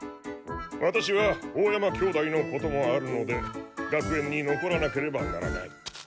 ワタシは大山兄弟のことがあるので学園に残らなければならない。